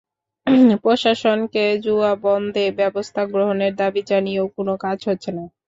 প্রশাসনকে জুয়া বন্ধে ব্যবস্থা গ্রহণের দাবি জানিয়েও কোনো কাজ হচ্ছে না।